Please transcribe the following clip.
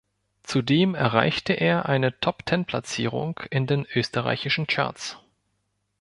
Zudem erreichte er eine Top-Ten-Platzierung in den österreichischen Charts.